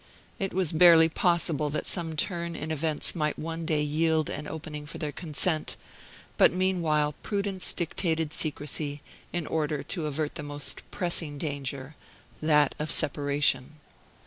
It was barely possible that some turn in events might one day yield an opening for their consent; but meanwhile prudence dictated secrecy, in order to avert the most pressing danger, that of separation.